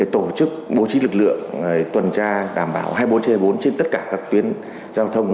tổ chức bố trí lực lượng tuần tra đảm bảo hai mươi bốn trên bốn trên tất cả các tuyến giao thông